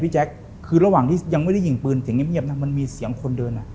แจ๊คคือระหว่างที่ยังไม่ได้ยิงปืนเสียงเงียบนะมันมีเสียงคนเดินอ่ะ